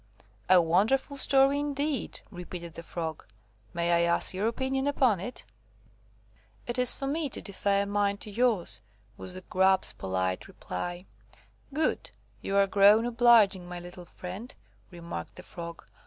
"A wonderful story, indeed," repeated the Frog; "may I ask your opinion upon it?" "It is for me to defer mine to yours," was the Grub's polite reply. "Good! you are grown obliging, my little friend," remarked the Frog.